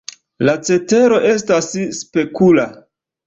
La cetero estas spekula.